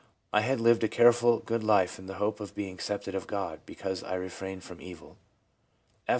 I had lived a careful, good life, in the hope of being accepted of God because I refrained from evil/ F.